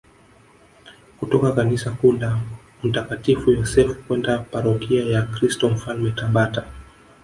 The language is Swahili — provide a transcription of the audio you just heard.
kutoka kanisa kuu la mtakatifu Yosefu kwenda parokia ya Kristo Mfalme Tabata